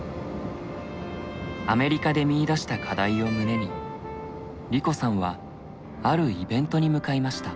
アメリカで見いだした課題を胸に梨子さんはあるイベントに向かいました。